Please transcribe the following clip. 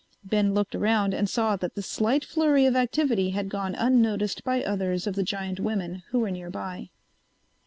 Ben looked around and saw that the slight flurry of activity had gone unnoticed by others of the giant women who were nearby.